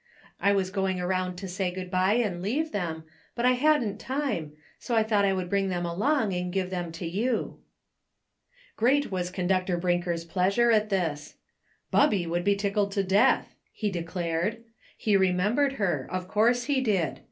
I was going around to say good by and leave them, but I hadn't time, so I thought I would bring them along and give them to you." Great was Conductor Brinker' s pleasure at this. ''Bubby would be tickled to death," he declared. He remembered her, of course he did